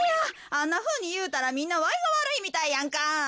あんなふうにいうたらみんなわいがわるいみたいやんか。